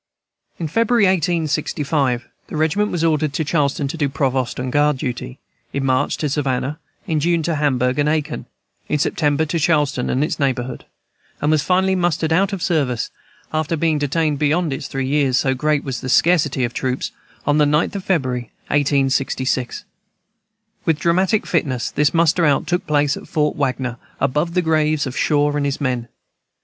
In February, 1865, the regiment was ordered to Charleston to do provost and guard duty, in March to Savannah, in June to Hamburg and Aiken, in September to Charleston and its neighborhood, and was finally mustered out of service after being detained beyond its three years, so great was the scarcity of troops on the 9th of February, 1866. With dramatic fitness this muster out took place at Fort Wagner, above the graves of Shaw and his men.